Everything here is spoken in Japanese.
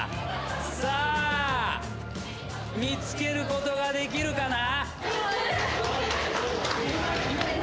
さあ見つけることができるかな？